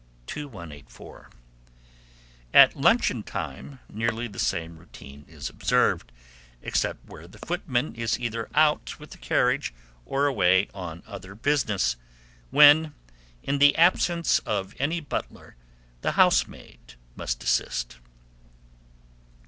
2184. At luncheon time nearly the same routine is observed, except where the footman is either out with the carriage or away on other business, when, in the absence of any butler, the housemaid must assist.